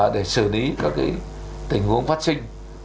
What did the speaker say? để xử lý các tình huống phát sinh